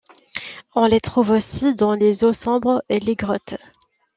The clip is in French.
On les trouve aussi dans les eaux sombres et les grottes.